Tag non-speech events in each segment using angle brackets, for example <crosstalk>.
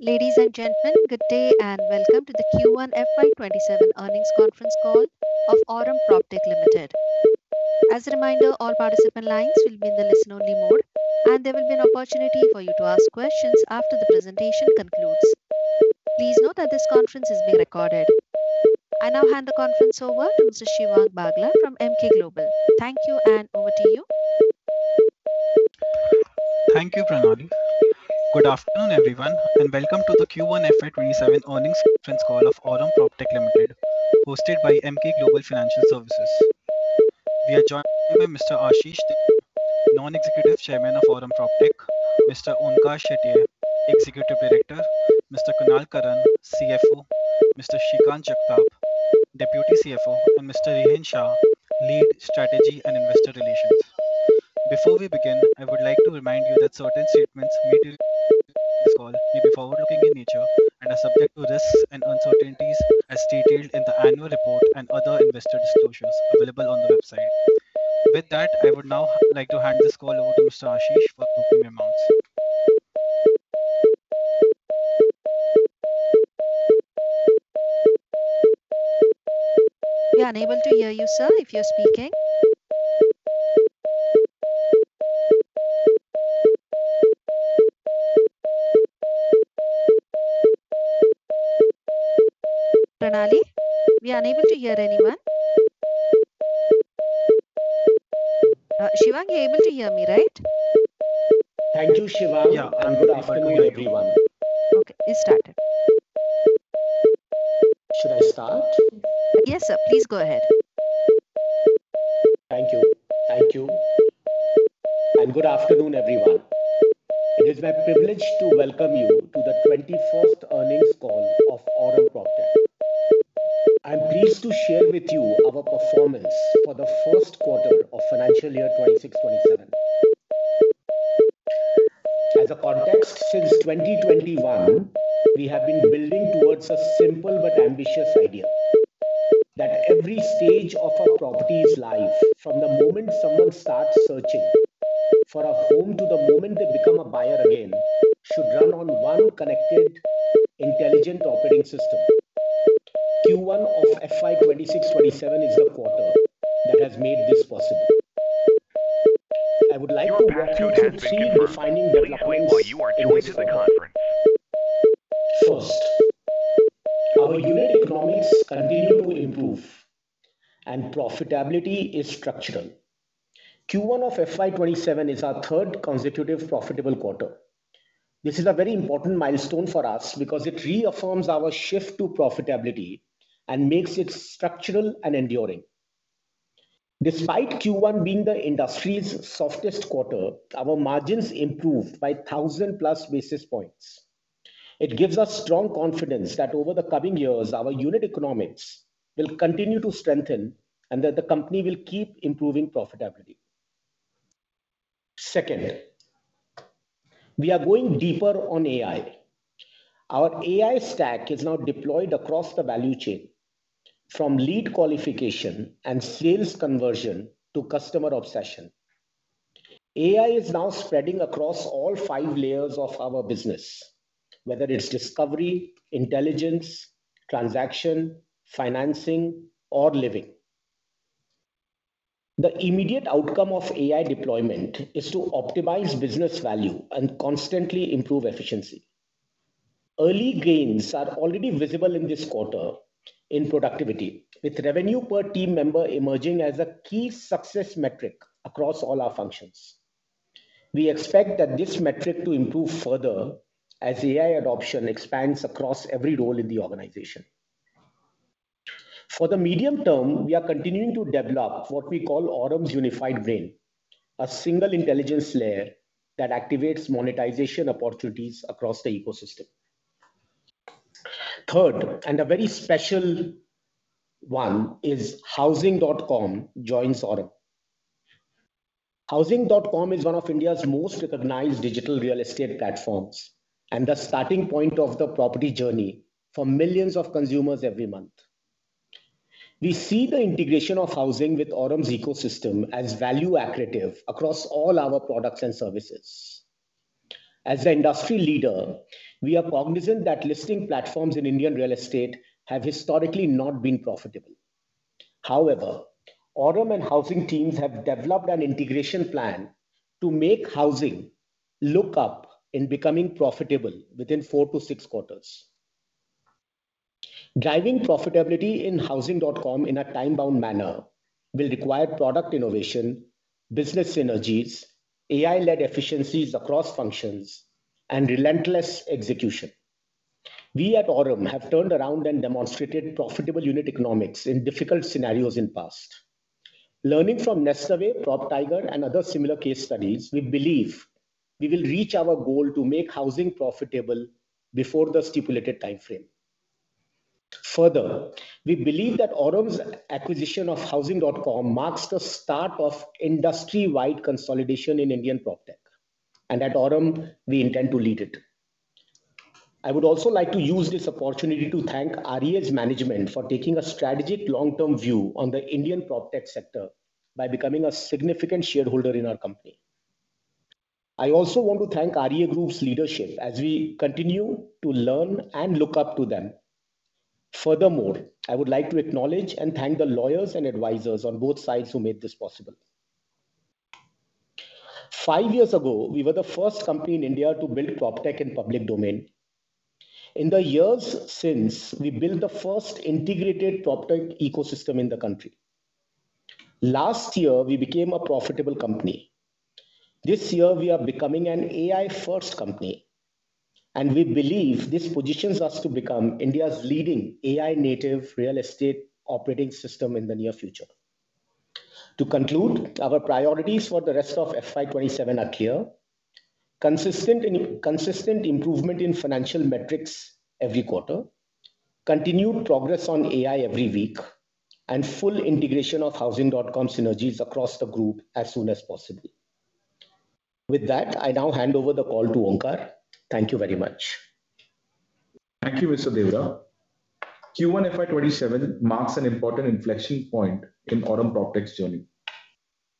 Ladies and gentlemen, good day, and welcome to the Q1 FY 2027 earnings conference call of Aurum PropTech Limited. As a reminder, all participant lines will be in the listen-only mode, and there will be an opportunity for you to ask questions after the presentation concludes. Please note that this conference is being recorded. I now hand the conference over to Mr. Shivang Bagla from Emkay Global. Thank you, and over to you. Thank you, Pranali. Good afternoon, everyone, and welcome to the Q1 FY 2027 earnings conference call of Aurum PropTech Limited, hosted by Emkay Global Financial Services. We are joined today by Mr. Ashish Deora, Non-Executive Chairman of Aurum PropTech, Mr. Onkar Shetye, Executive Director, Mr. Kunal Karan, CFO, Mr. Shrikant Jagtap, Deputy CFO, and Mr. Rihen Shah, Lead Strategy and Investor Relations. Before we begin, I would like to remind you that certain statements we become a buyer again, should run on one connected, intelligent operating system. Q1 of FY 2026/2027 is the quarter that has made this possible. I would like to walk you through three defining developments in this quarter. First, our unit economics continue to improve, and profitability is structural. Q1 of FY 2027 is our third consecutive profitable quarter. This is a very important milestone for us because it reaffirms our shift to profitability and makes it structural and enduring. Despite Q1 being the industry's softest quarter, our margins improved by 1,000+ basis points. It gives us strong confidence that over the coming years, our unit economics will continue to strengthen, and that the company will keep improving profitability. Second, we are going deeper on AI. Our AI stack is now deployed across the value chain, from lead qualification and sales conversion to customer obsession. AI is now spreading across all five layers of our business, whether it is discovery, intelligence, transaction, financing, or living. The immediate outcome of AI deployment is to optimize business value and constantly improve efficiency. Early gains are already visible in this quarter in productivity, with revenue per team member emerging as a key success metric across all our functions. We expect that this metric to improve further as AI adoption expands across every role in the organization. For the medium term, we are continuing to develop what we call Aurum's unified brain, a single intelligence layer that activates monetization opportunities across the ecosystem. Third, a very special one is Housing.com joins Aurum. Housing.com is one of India's most recognized digital real estate platforms and the starting point of the property journey for millions of consumers every month. We see the integration of Housing with Aurum's ecosystem as value accretive across all our products and services. As the industry leader, we are cognizant that listing platforms in Indian real estate have historically not been profitable. However, Aurum and Housing teams have developed an integration plan to make Housing look up in becoming profitable within four to six quarters. Driving profitability in Housing.com in a time-bound manner will require product innovation, business synergies, AI-led efficiencies across functions, and relentless execution. We at Aurum have turned around and demonstrated profitable unit economics in difficult scenarios in past. Learning from Nestaway, PropTiger, and other similar case studies, we believe we will reach our goal to make Housing profitable before the stipulated timeframe. We believe that Aurum's acquisition of Housing.com marks the start of industry-wide consolidation in Indian PropTech, and at Aurum, we intend to lead it. I would also like to use this opportunity to thank REA's management for taking a strategic long-term view on the Indian PropTech sector by becoming a significant shareholder in our company. I also want to thank REA Group's leadership as we continue to learn and look up to them. Furthermore, I would like to acknowledge and thank the lawyers and advisors on both sides who made this possible. Five years ago, we were the first company in India to build PropTech in public domain. In the years since, we built the first integrated PropTech ecosystem in the country. Last year, we became a profitable company. This year, we are becoming an AI-first company, and we believe this positions us to become India's leading AI native real estate operating system in the near future. To conclude, our priorities for the rest of FY 2027 are clear. Consistent improvement in financial metrics every quarter, continued progress on AI every week, and full integration of Housing.com synergies across the group as soon as possible. With that, I now hand over the call to Onkar. Thank you very much. Thank you, Mr. Deora. Q1 FY 2027 marks an important inflection point in Aurum PropTech's journey.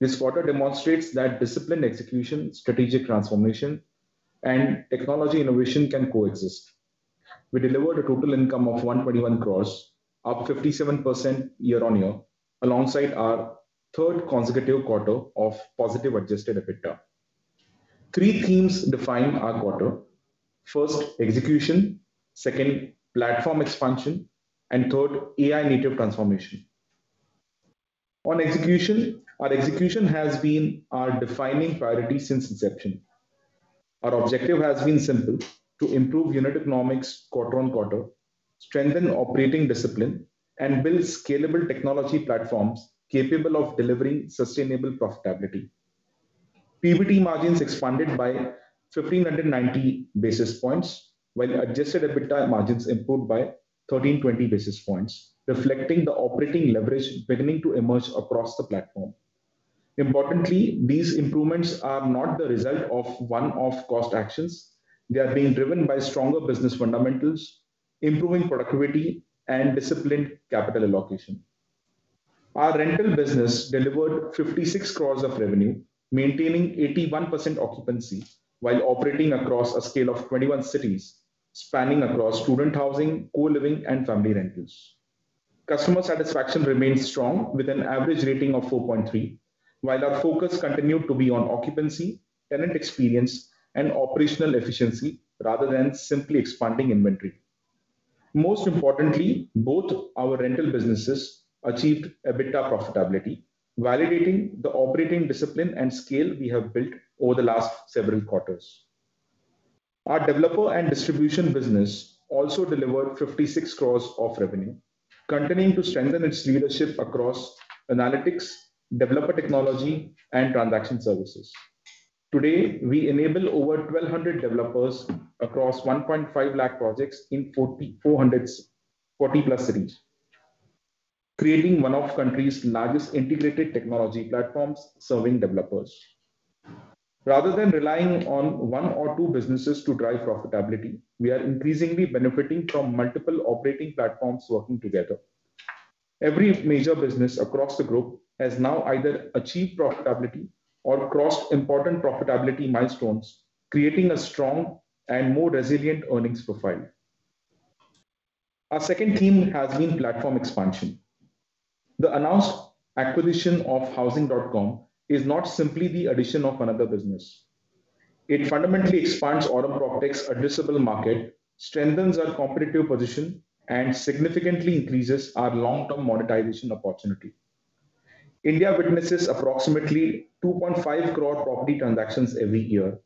This quarter demonstrates that disciplined execution, strategic transformation, and technology innovation can coexist. We delivered a total income of 121 crores, up 57% year-on-year, alongside our third consecutive quarter of positive adjusted EBITDA. Three themes define our quarter. First, execution. Second, platform expansion, and third, AI-native transformation. On execution, our execution has been our defining priority since inception. Our objective has been simple, to improve unit economics quarter-on-quarter, strengthen operating discipline, and build scalable technology platforms capable of delivering sustainable profitability. PBT margins expanded by 1,590 basis points, while adjusted EBITDA margins improved by 1,320 basis points, reflecting the operating leverage beginning to emerge across the platform. Importantly, these improvements are not the result of one-off cost actions. They are being driven by stronger business fundamentals, improving productivity, and disciplined capital allocation. Our rental business delivered 56 crores of revenue, maintaining 81% occupancy while operating across a scale of 21 cities, spanning across student housing, co-living, and family rentals. Customer satisfaction remains strong with an average rating of 4.3, while our focus continued to be on occupancy, tenant experience, and operational efficiency rather than simply expanding inventory. Most importantly, both our rental businesses achieved EBITDA profitability, validating the operating discipline and scale we have built over the last several quarters. Our developer and distribution business also delivered 56 crores of revenue, continuing to strengthen its leadership across analytics, developer technology, and transaction services. Today, we enable over 1,200 developers across 1.5 lakh projects in 40+ cities, creating one of the country's largest integrated technology platforms serving developers. Rather than relying on one or two businesses to drive profitability, we are increasingly benefiting from multiple operating platforms working together. Every major business across the group has now either achieved profitability or crossed important profitability milestones, creating a strong and more resilient earnings profile. Our second theme has been platform expansion. The announced acquisition of Housing.com is not simply the addition of another business. It fundamentally expands Aurum PropTech's addressable market, strengthens our competitive position, and significantly increases our long-term monetization opportunity. India witnesses approximately 2.5 crore property transactions every year,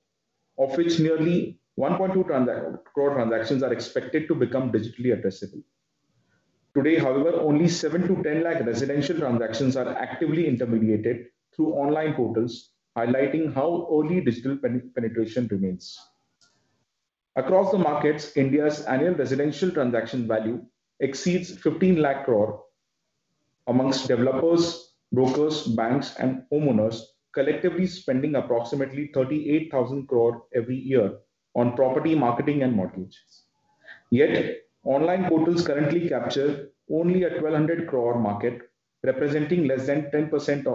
of which nearly 1.2 crore transactions are expected to become digitally addressable. Today, however, only 7-10 lakh residential transactions are actively intermediated through online portals, highlighting how early digital penetration remains. Across the markets, India's annual residential transaction value exceeds 15 lakh crore amongst developers, brokers, banks, and homeowners, collectively spending approximately 38,000 crore every year on property marketing and mortgages. Yet, online portals currently capture only an 1,200 crore market, representing less than 5%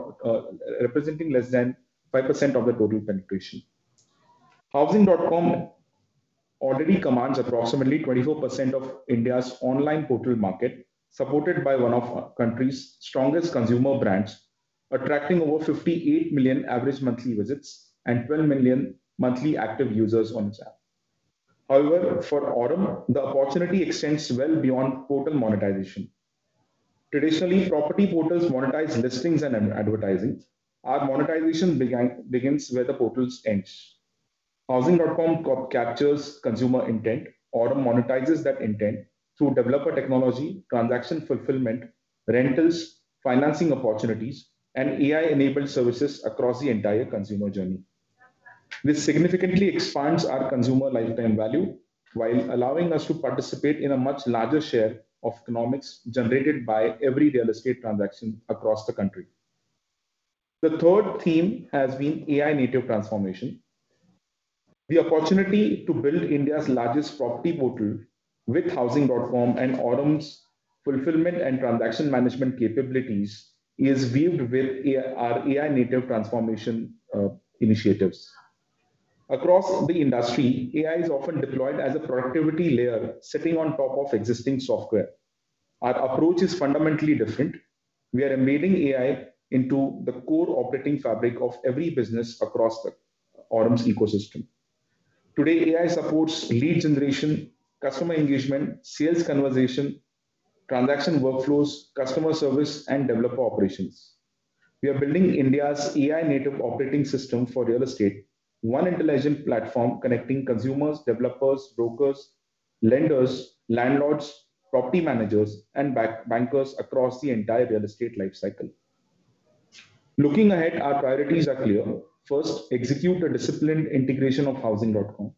of the total penetration. Housing.com already commands approximately 24% of India's online portal market, supported by one of our country's strongest consumer brands, attracting over 58 million average monthly visits and 12 million monthly active users on its app. However, for Aurum, the opportunity extends well beyond portal monetization. Traditionally, property portals monetize listings and advertising. Our monetization begins where the portals end. Housing.com captures consumer intent, Aurum monetizes that intent through developer technology, transaction fulfillment, rentals, financing opportunities, and AI-enabled services across the entire consumer journey. This significantly expands our consumer lifetime value while allowing us to participate in a much larger share of economics generated by every real estate transaction across the country. The third theme has been AI-native transformation. The opportunity to build India's largest property portal with Housing.com and Aurum's fulfillment and transaction management capabilities is viewed with our AI-native transformation initiatives. Across the industry, AI is often deployed as a productivity layer sitting on top of existing software. Our approach is fundamentally different. We are embedding AI into the core operating fabric of every business across the Aurum ecosystem. Today, AI supports lead generation, customer engagement, sales conversation, transaction workflows, customer service, and developer operations. We are building India's AI-native operating system for real estate, one intelligent platform connecting consumers, developers, brokers, lenders, landlords, property managers, and bankers across the entire real estate life cycle. Looking ahead, our priorities are clear. First, execute a disciplined integration of Housing.com.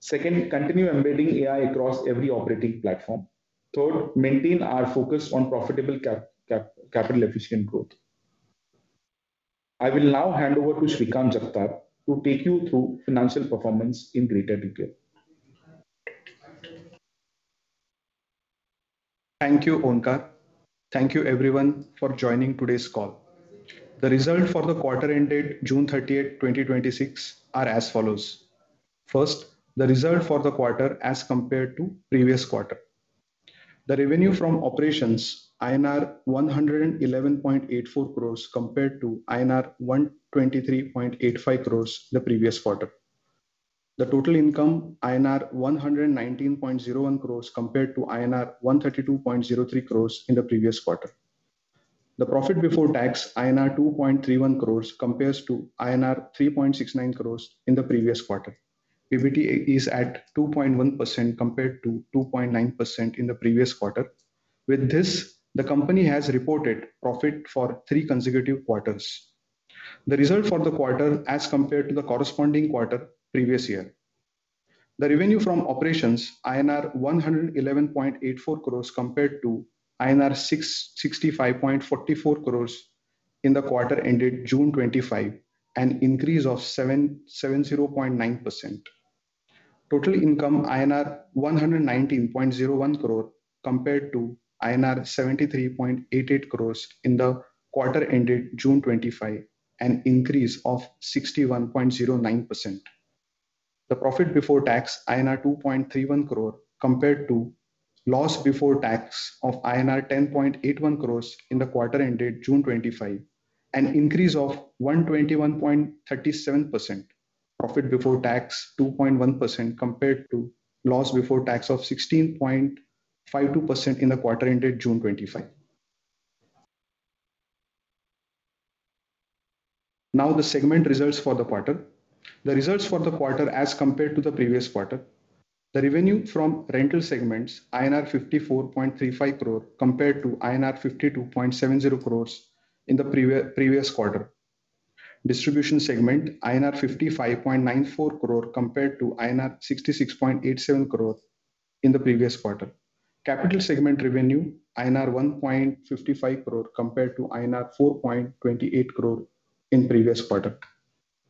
Second, continue embedding AI across every operating platform. Third, maintain our focus on profitable capital-efficient growth. I will now hand over to Shrikant Jagtap to take you through financial performance in greater detail. Thank you, Onkar. Thank you everyone for joining today's call. The result for the quarter ended June 30th, 2026 are as follows. First, the result for the quarter as compared to previous quarter. The revenue from operations INR 111.84 crore compared to INR 123.85 crore the previous quarter. The total income INR 119.01 crore compared to INR 132.03 crore in the previous quarter. The profit before tax INR 2.31 crore compares to INR 3.69 crore in the previous quarter. PBT is at 2.1% compared to 2.9% in the previous quarter. With this, the company has reported profit for three consecutive quarters. The result for the quarter as compared to the corresponding quarter, previous year. The revenue from operations INR 111.84 crore compared to INR 65.44 crore in the quarter ended June 2025, an increase of 70.9%. Total income INR 119.01 crore compared to INR 73.88 crore in the quarter ended June 2025, an increase of 61.09%. The profit before tax INR 2.31 crore compared to loss before tax of INR 10.81 crore in the quarter ended June 2025, an increase of 121.37%. Profit before tax 2.1% compared to loss before tax of 16.52% in the quarter ended June 2025. Now the segment results for the quarter. The results for the quarter as compared to the previous quarter. The revenue from rental segments INR 54.35 crore compared to 52.70 crore INR in the previous quarter. Distribution segment INR 55.94 crore compared to INR 66.87 crore in the previous quarter. Capital segment revenue INR 1.55 crore compared to INR 4.28 crore in previous quarter.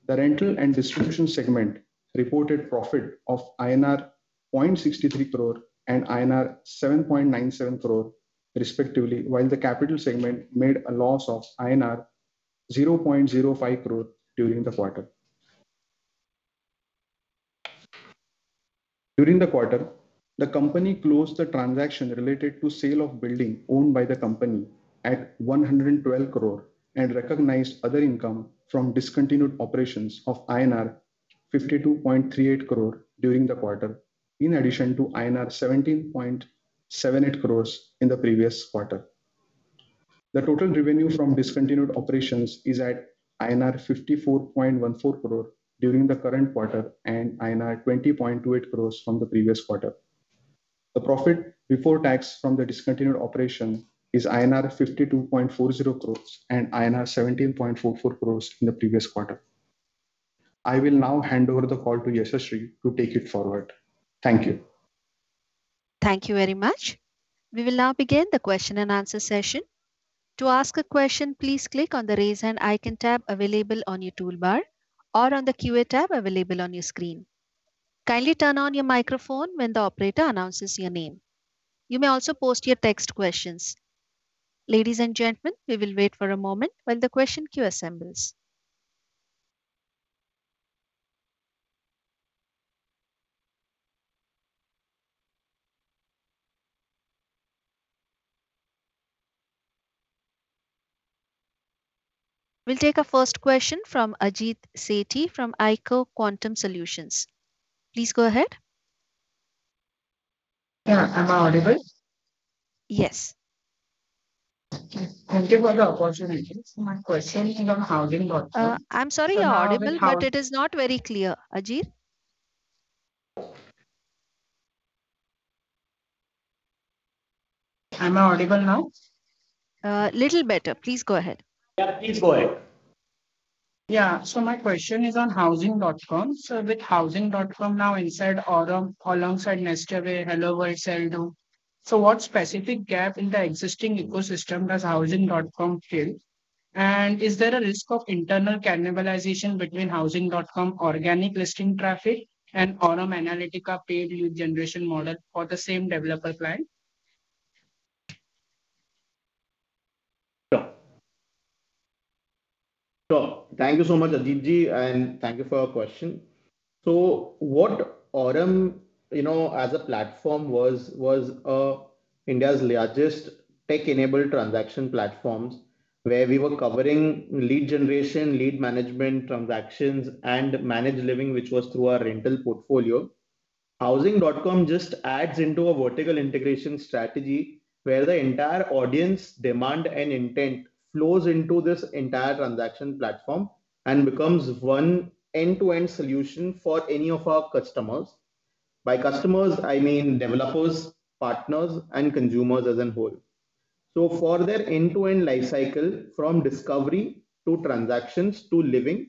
The rental and distribution segment reported profit of INR 0.63 crore and INR 7.97 crore respectively, while the capital segment made a loss of INR 0.05 crore during the quarter. During the quarter, the company closed the transaction related to sale of building owned by the company at 112 crore and recognized other income from discontinued operations of INR 52.38 crore during the quarter, in addition to INR 17.78 crore in the previous quarter. The total revenue from discontinued operations is at INR 54.14 crore during the current quarter and INR 20.28 crore from the previous quarter. The profit before tax from the discontinued operation is INR 52.40 crore and INR 17.44 crore in the previous quarter. I will now hand over the call to Yashaswi to take it forward. Thank you. Thank you very much. We will now begin the question-and-answer session. To ask a question, please click on the raise hand icon tab available on your toolbar or on the QA tab available on your screen. Kindly turn on your microphone when the operator announces your name. You may also post your text questions. Ladies and gentlemen, we will wait for a moment while the question queue assembles. We will take our first question from Ajit Sethi from Eiko Quantum Solutions. Please go ahead. Yeah. Am I audible? Yes. Thank you for the opportunity. My question is on Housing.com- I'm sorry, you're audible, but it is not very clear. Ajit? Am I audible now? Little better. Please go ahead. Yeah, please go ahead. Yeah. My question is on Housing.com. With Housing.com now inside Aurum alongside Nestaway, HelloWorld, Sell.Do, what specific gap in the existing ecosystem does Housing.com fill? Is there a risk of internal cannibalization between Housing.com organic listing traffic and Aurum Analytica paid lead generation model for the same developer client? Sure. Thank you so much, Ajit Ji, and thank you for your question. What Aurum, as a platform, was India's largest tech-enabled transaction platforms where we were covering lead generation, lead management, transactions, and managed living, which was through our rental portfolio. Housing.com just adds into a vertical integration strategy where the entire audience demand and intent flows into this entire transaction platform and becomes one end-to-end solution for any of our customers. By customers, I mean developers, partners, and consumers as a whole. For their end-to-end life cycle, from discovery to transactions to living,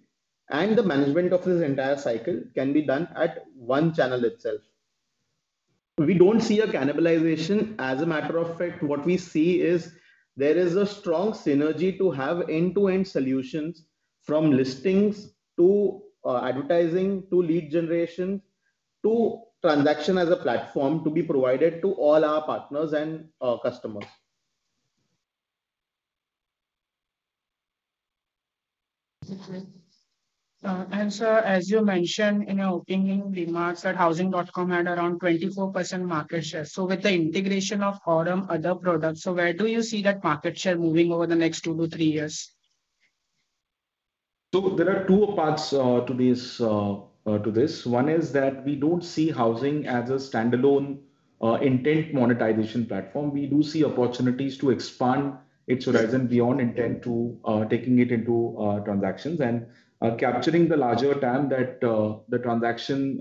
and the management of this entire cycle can be done at one channel itself. We don't see a cannibalization. As a matter of fact, what we see is there is a strong synergy to have end-to-end solutions from listings to advertising to lead generation to transaction as a platform to be provided to all our partners and our customers. Sir, as you mentioned in your opening remarks, that Housing.com had around 24% market share, with the integration of Aurum, other products, where do you see that market share moving over the next two to three years? There are two parts to this. One is that we don't see housing as a standalone intent monetization platform. We do see opportunities to expand its horizon beyond intent to taking it into transactions and capturing the larger TAM that the transaction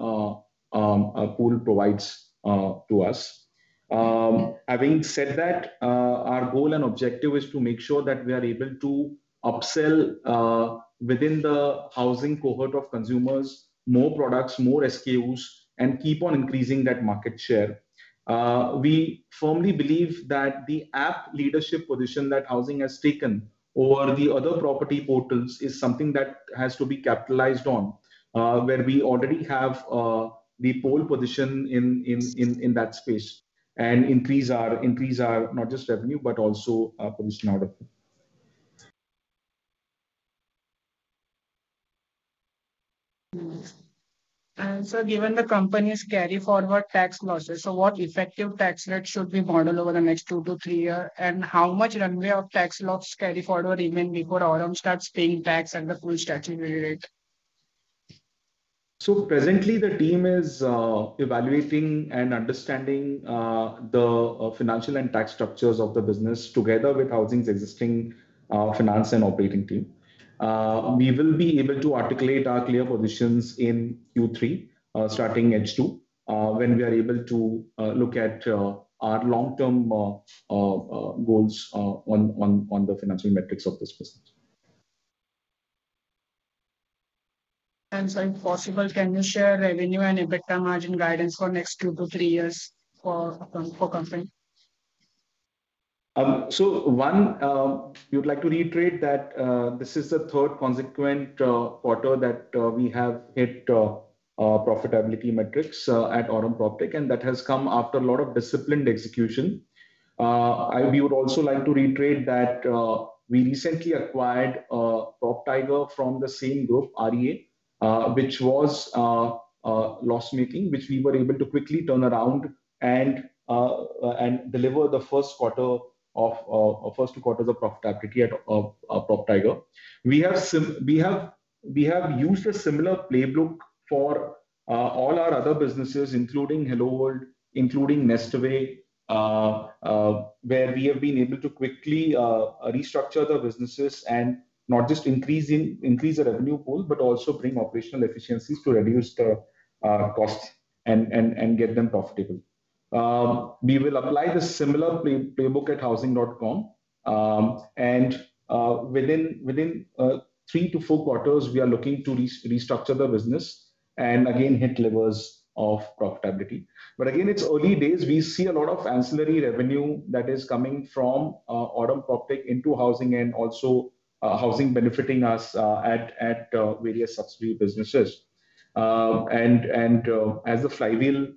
pool provides to us. Having said that, our goal and objective is to make sure that we are able to upsell within the housing cohort of consumers, more products, more SKUs, and keep on increasing that market share. We firmly believe that the app leadership position that housing has taken over the other property portals is something that has to be capitalized on, where we already have the pole position in that space and increase our not just revenue, but also our position out of it. Sir, given the company's carry forward tax losses, what effective tax rate should we model over the next two to three year, and how much runway of tax loss carry forward even before Aurum starts paying tax at the full statutory rate? Presently, the team is evaluating and understanding the financial and tax structures of the business together with housing's existing finance and operating team. We will be able to articulate our clear positions in Q3, starting H2, when we are able to look at our long-term goals on the financial metrics of this business. Sir, if possible, can you share revenue and EBITDA margin guidance for next two to three years for? <inaudible> One, we'd like to reiterate that this is the third consequent quarter that we have hit profitability metrics at Aurum PropTech, and that has come after a lot of disciplined execution. We would also like to reiterate that we recently acquired PropTiger from the same group, REA, which was loss-making, which we were able to quickly turn around and deliver the first two quarters of profitability at PropTiger. We have used a similar playbook for all our other businesses, including HelloWorld, including Nestaway, where we have been able to quickly restructure the businesses and not just increase the revenue pool, but also bring operational efficiencies to reduce the costs and get them profitable. We will apply the similar playbook at Housing.com. Within three to four quarters, we are looking to restructure the business and again, hit levels of profitability. Again, it's early days. We see a lot of ancillary revenue that is coming from Aurum PropTech into Housing.com and also Housing.com benefiting us at various subsidiary businesses. As the flywheel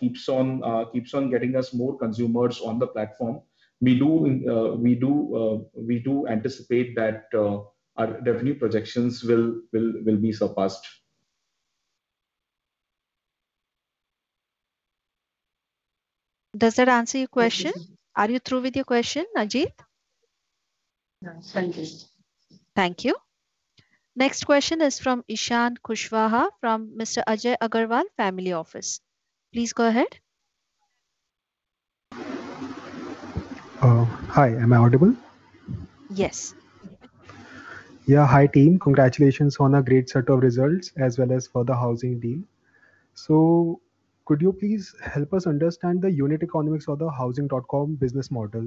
keeps on getting us more consumers on the platform, we do anticipate that our revenue projections will be surpassed. Does that answer your question? Are you through with your question, Ajit? Yes. Thank you. Thank you. Next question is from Ishan Kushwaha from Mr. Ajay Agarwal family office. Please go ahead. Hi, am I audible? Yes. Yeah. Hi, team. Congratulations on a great set of results as well as for the Housing deal. Could you please help us understand the unit economics of the Housing.com business model?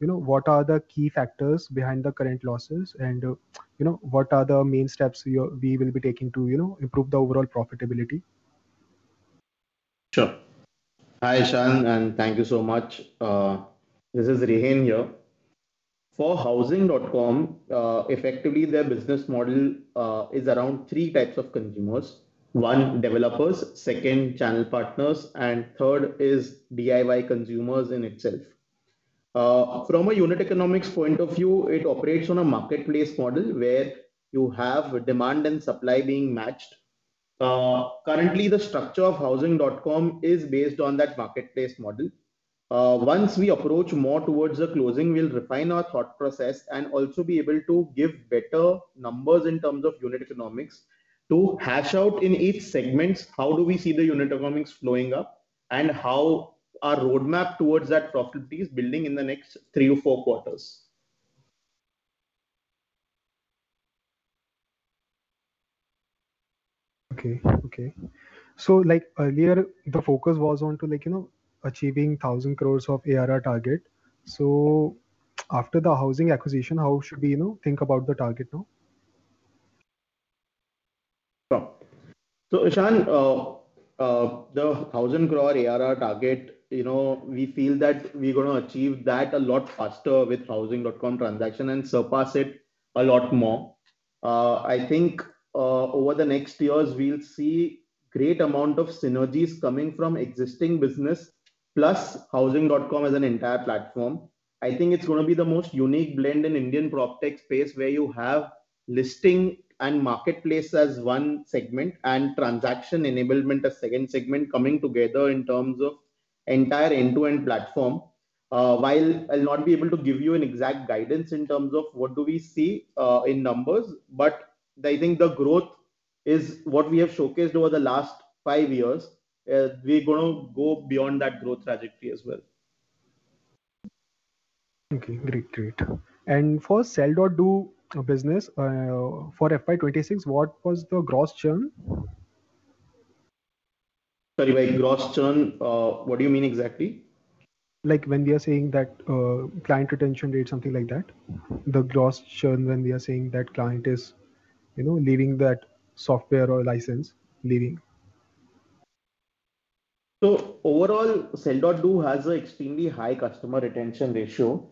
What are the key factors behind the current losses? What are the main steps we will be taking to improve the overall profitability? Sure. Hi, Ishan, and thank you so much. This is Rihen here. For Housing.com, effectively their business model is around three types of consumers. One, developers; second, channel partners; and third is DIY consumers in itself. From a unit economics point of view, it operates on a marketplace model where you have demand and supply being matched. Currently, the structure of Housing.com is based on that marketplace model. Once we approach more towards the closing, we'll refine our thought process and also be able to give better numbers in terms of unit economics to hash out in each segment, how do we see the unit economics flowing up, and how our roadmap towards that profitability is building in the next three or four quarters. Earlier, the focus was on achieving 1,000 crores of ARR target. After the Housing acquisition, how should we think about the target now? Sure. Ishan, the 1,000 crore ARR target, we feel that we're going to achieve that a lot faster with Housing.com transaction and surpass it a lot more. I think over the next years, we'll see great amount of synergies coming from existing business, plus Housing.com as an entire platform. I think it's going to be the most unique blend in Indian PropTech space where you have listing and marketplace as one segment, and transaction enablement as second segment coming together in terms of entire end-to-end platform. While I'll not be able to give you an exact guidance in terms of what do we see in numbers, but I think the growth is what we have showcased over the last five years. We're going to go beyond that growth trajectory as well. Okay, great. For Sell.Do business for FY 2026, what was the gross churn? Sorry, by gross churn, what do you mean exactly? Like when we are saying that client retention rate, something like that. The gross churn when we are saying that client is leaving that software or license. Overall, Sell.Do has a extremely high customer retention ratio.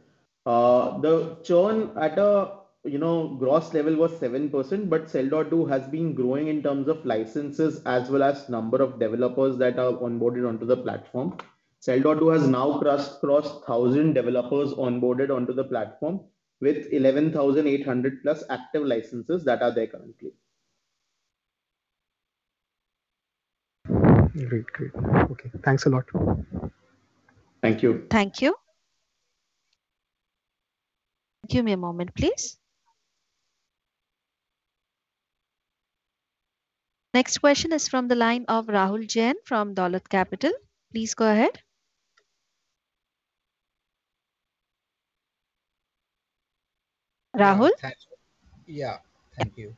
The churn at a gross level was 7%. Sell.Do has been growing in terms of licenses as well as number of developers that are onboarded onto the platform. Sell.Do has now just crossed 1,000 developers onboarded onto the platform with 11,800+ active licenses that are there currently. Great. Okay, thanks a lot. Thank you. Thank you. Give me a moment, please. Next question is from the line of Rahul Jain from Dolat Capital. Please go ahead. Rahul? Thank you.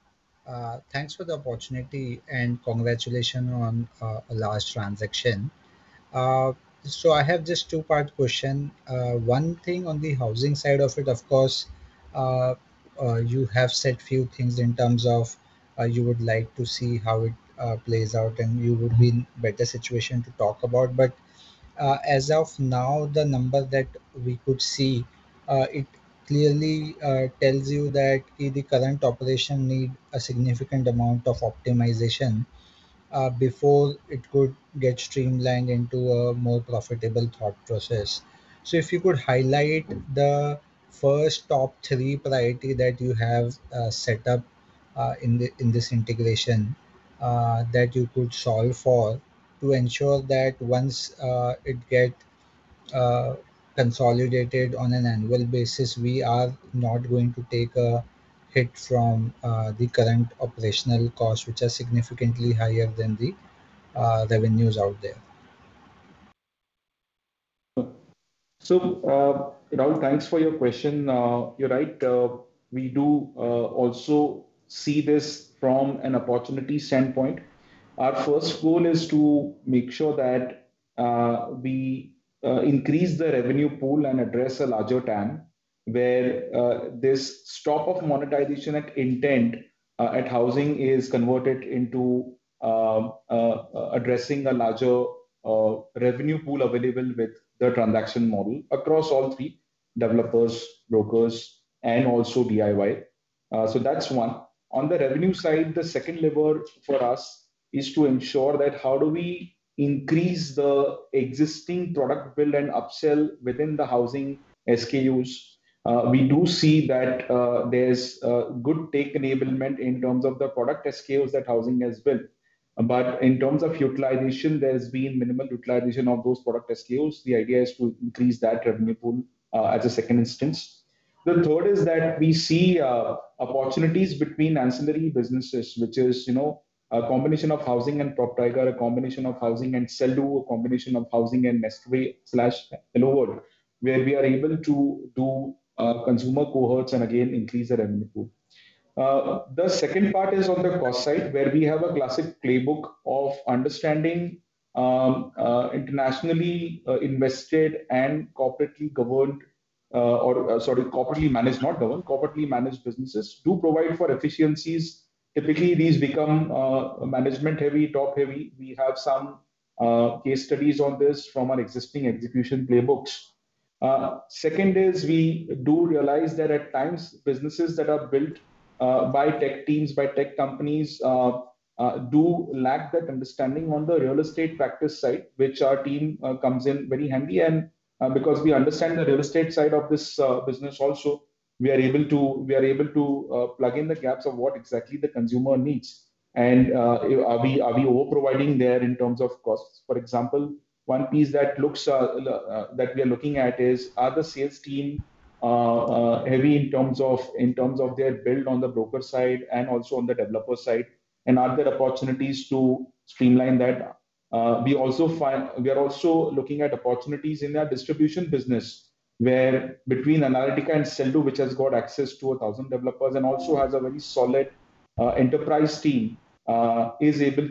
Thanks for the opportunity and congratulations on a large transaction. I have just two-part question. One thing on the Housing side of it, of course, you have said few things in terms of you would like to see how it plays out and you would be in better situation to talk about. In terms of now, the number that we could see, it clearly tells you that the current operation need a significant amount of optimization before it could get streamlined into a more profitable thought process. If you could highlight the first top three priority that you have set up in this integration that you could solve for to ensure that once it get consolidated on an annual basis, we are not going to take a hit from the current operational costs, which are significantly higher than the revenues out there. Rahul, thanks for your question. You are right. We do also see this from an opportunity standpoint. Our first goal is to make sure that we increase the revenue pool and address a larger TAM, where this stop of monetization at intent at Housing is converted into addressing a larger revenue pool available with the transaction model across all three developers, brokers, and also DIY. That is one. On the revenue side, the second lever for us is to ensure that how do we increase the existing product build and upsell within the Housing SKUs. We do see that there is a good take enablement in terms of the product SKUs that Housing has built. In terms of utilization, there has been minimal utilization of those product SKUs. The idea is to increase that revenue pool as a second instance. The third is that we see opportunities between ancillary businesses, which is a combination of housing and PropTiger, a combination of housing and Sell.Do, a combination of housing and Nestaway/HelloWorld, where we are able to do consumer cohorts and again, increase the revenue pool. The second part is on the cost side, where we have a classic playbook of understanding internationally invested and corporately governed Or, sorry, corporately managed, not governed. Corporately managed businesses do provide for efficiencies. Typically, these become management heavy, top heavy. We have some case studies on this from our existing execution playbooks. Second is, we do realize that at times, businesses that are built by tech teams, by tech companies, do lack that understanding on the real estate practice side, which our team comes in very handy. Because we understand the real estate side of this business also, we are able to plug in the gaps of what exactly the consumer needs. Are we over-providing there in terms of costs? For example, one piece that we are looking at is, are the sales team heavy in terms of their build on the broker side and also on the developer side, and are there opportunities to streamline that? We are also looking at opportunities in their distribution business, where between Analytica and Sell.Do, which has got access to 1,000 developers and also has a very solid enterprise team, is able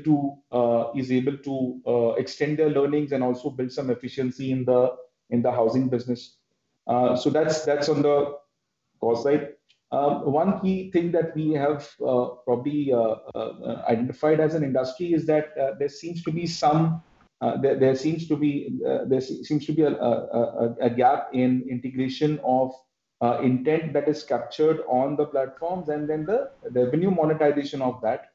to extend their learnings and also build some efficiency in the housing business. That's on the cost side. One key thing that we have probably identified as an industry is that there seems to be a gap in integration of intent that is captured on the platforms and then the revenue monetization of that.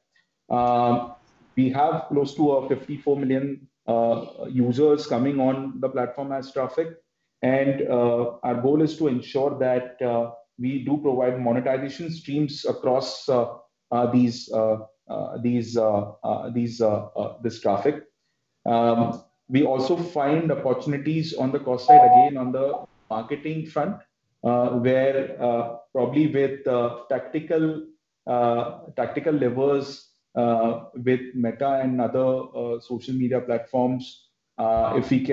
We have close to 54 million users coming on the platform as traffic. Our goal is to ensure that we do provide monetization streams across this traffic. We also find opportunities on the cost side, again, on the marketing front, where probably with tactical levers with Meta and other social media platforms, if we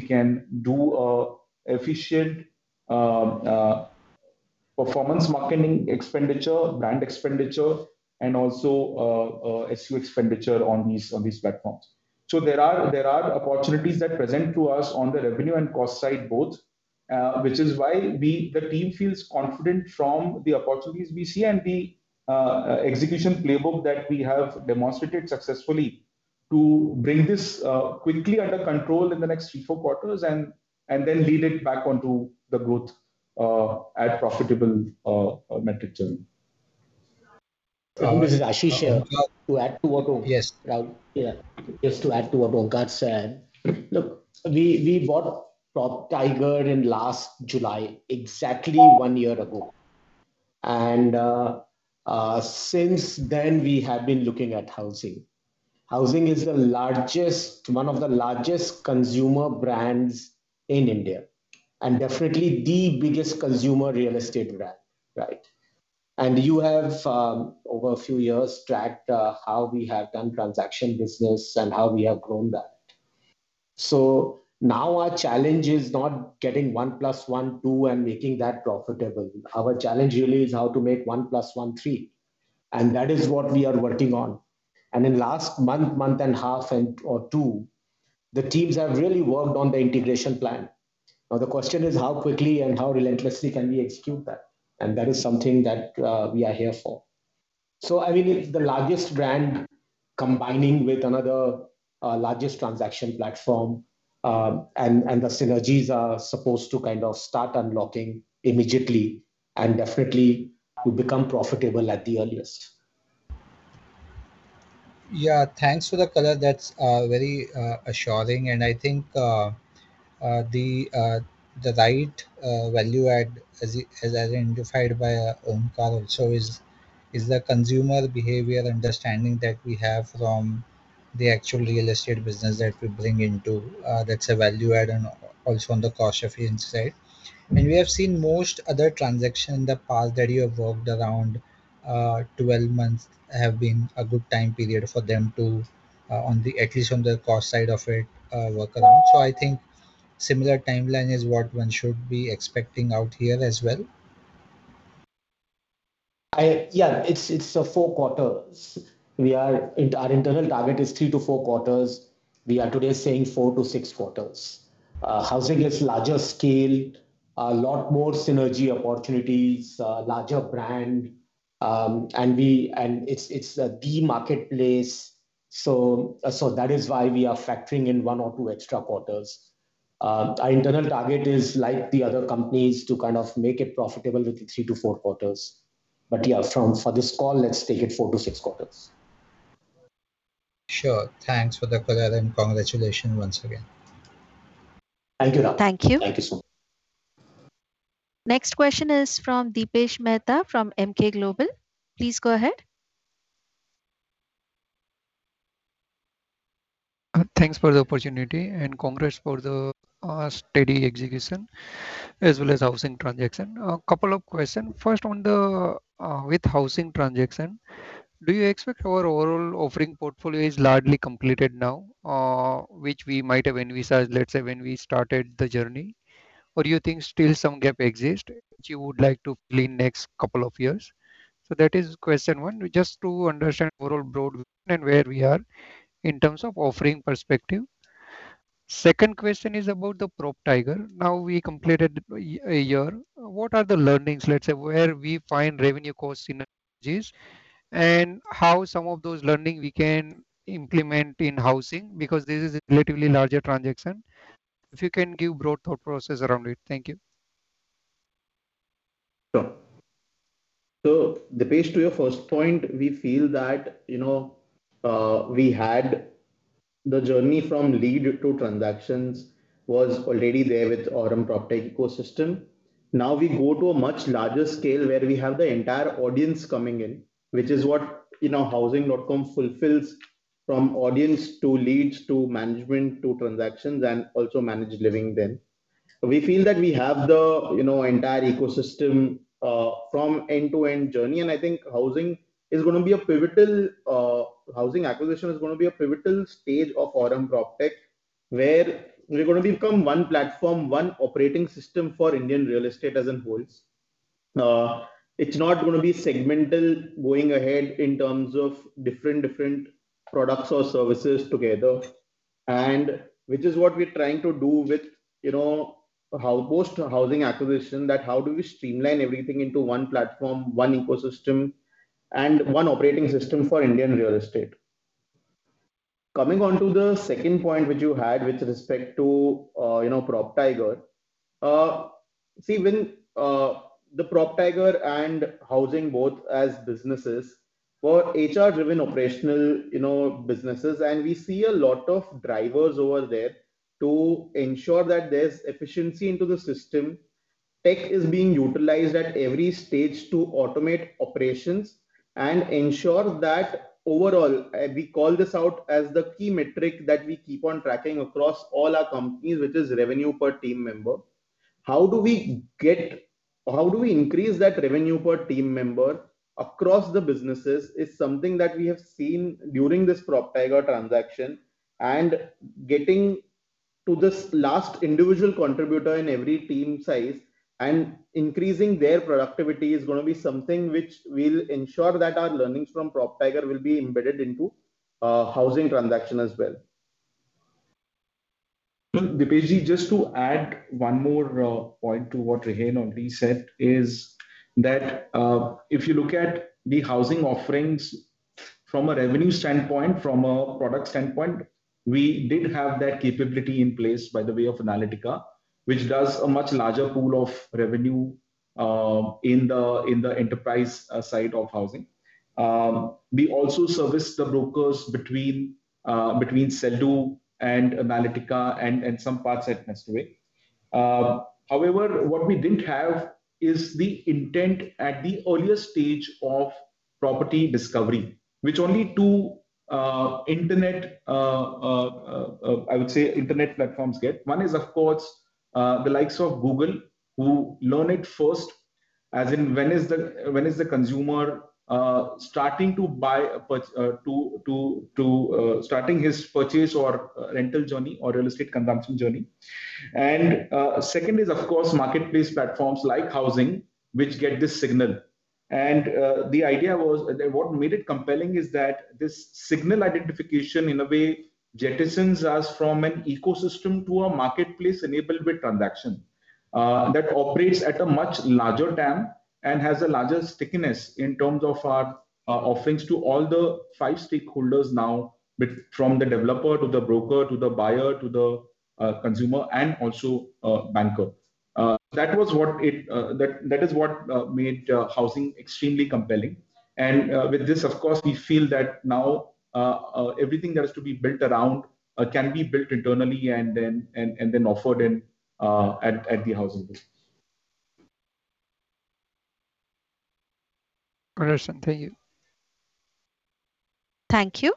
can do efficient performance marketing expenditure, brand expenditure, and also SU expenditure on these platforms. There are opportunities that present to us on the revenue and cost side both, which is why the team feels confident from the opportunities we see and the execution playbook that we have demonstrated successfully to bring this quickly under control in the next three, four quarters and then lead it back onto the growth at profitable metrics. This is Ashish. Yes. Just to add to what Onkar said. Look, we bought PropTiger in last July, exactly one year ago. Since then, we have been looking at Housing. Housing is one of the largest consumer brands in India and definitely the biggest consumer real estate brand. Right? You have, over a few years, tracked how we have done transaction business and how we have grown that. Our challenge is not getting 1 + 1 = 2, and making that profitable. Our challenge really is how to make 1 + 1 = 3, and that is what we are working on. In last month and a half or two, the teams have really worked on the integration plan. The question is how quickly and how relentlessly can we execute that? That is something that we are here for. I mean, it's the largest brand combining with another largest transaction platform. The synergies are supposed to kind of start unlocking immediately and definitely to become profitable at the earliest. Yeah. Thanks for the color. That's very assuring. I think the right value add, as identified by Onkar also, is the consumer behavior understanding that we have from the actual real estate business that we bring into. That's a value add and also on the cost efficiency side. We have seen most other transaction in the past that you have worked around 12 months have been a good time period for them to, at least from the cost side of it, work around. I think similar timeline is what one should be expecting out here as well. Yeah. It's four quarters. Our internal target is three to four quarters. We are today saying four to six quarters. Housing is larger scale, a lot more synergy opportunities, larger brand, and it's the marketplace. That is why we are factoring in one or two extra quarters. Our internal target is like the other companies to kind of make it profitable within three to four quarters. Yeah, for this call, let's take it four to six quarters. Sure. Thanks for the color and congratulations once again. Thank you. Thank you. Thank you so much. Next question is from Dipesh Mehta from Emkay Global. Please go ahead. Thanks for the opportunity. Congrats for the steady execution as well as Housing transaction. A couple of questions. First, with Housing transaction, do you expect our overall offering portfolio is largely completed now, which we might have envisaged, let's say, when we started the journey? Or do you think still some gap exists, which you would like to fill in next couple of years? That is question one, just to understand overall broad view and where we are in terms of offering perspective. Second question is about the PropTiger. Now we completed a year. What are the learnings, let's say, where we find revenue cost synergies, and how some of those learning we can implement in Housing, because this is a relatively larger transaction. If you can give broad thought process around it. Thank you. Sure. Dipesh, to your first point, we feel that we had the journey from lead to transactions was already there with Aurum PropTech ecosystem. Now we go to a much larger scale where we have the entire audience coming in, which is what Housing.com fulfills from audience to leads, to management, to transactions, and also managed living then. We feel that we have the entire ecosystem from end-to-end journey. I think Housing acquisition is going to be a pivotal stage of Aurum PropTech, where we're going to become one platform, one operating system for Indian real estate as in wholes. It's not going to be segmental going ahead in terms of different products or services together, which is what we're trying to do with post-Housing acquisition, that how do we streamline everything into one platform, one ecosystem, and one operating system for Indian real estate. Coming onto the second point which you had with respect to PropTiger. See, when the PropTiger and Housing both as businesses were HR-driven operational businesses, we see a lot of drivers over there to ensure that there's efficiency into the system. Tech is being utilized at every stage to automate operations and ensure that overall, we call this out as the key metric that we keep on tracking across all our companies, which is revenue per team member. How do we increase that revenue per team member across the businesses is something that we have seen during this PropTiger transaction. Getting to this last individual contributor in every team size and increasing their productivity is going to be something which will ensure that our learnings from PropTiger will be embedded into Housing transaction as well. Dipesh, just to add one more point to what Rihen already said is that if you look at the Housing offerings from a revenue standpoint, from a product standpoint, we did have that capability in place by the way of Analytica, which does a much larger pool of revenue in the enterprise site of Housing. We also service the brokers between Sell.Do and Analytica and some parts at Nestaway. However, what we didn't have is the intent at the earliest stage of property discovery, which only two internet platforms get. One is, of course, the likes of Google, who learn it first, as in when is the consumer starting his purchase or rental journey or real estate consumption journey. Second is, of course, marketplace platforms like Housing, which get this signal. The idea was that what made it compelling is that this signal identification, in a way, jettisons us from an ecosystem to a marketplace enabled with transaction that operates at a much larger TAM and has a larger stickiness in terms of our offerings to all the five stakeholders now, from the developer to the broker, to the buyer, to the consumer and also banker. That is what made Housing extremely compelling. With this, of course, we feel that now everything that is to be built around can be built internally and then offered at the Housing business. Understood. Thank you. Thank you.